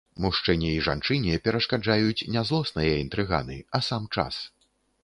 Мужчыне й жанчыне перашкаджаюць не злосныя інтрыганы, а сам час.